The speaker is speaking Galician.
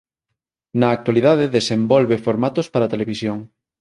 Na actualidade desenvolve formatos para televisión.